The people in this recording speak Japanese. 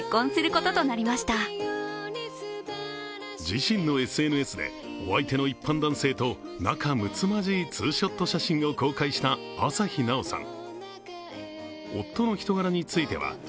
自身のＳＮＳでお相手の一般男性と仲むつまじいツーショット写真を公開した朝日奈央さん。